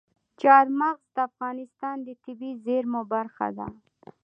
چار مغز د افغانستان د طبیعي زیرمو برخه ده.